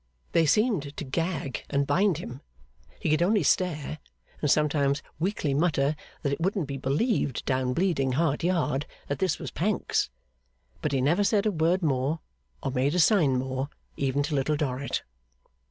They seemed to gag and bind him. He could only stare, and sometimes weakly mutter that it wouldn't be believed down Bleeding Heart Yard that this was Pancks; but he never said a word more, or made a sign more, even to Little Dorrit.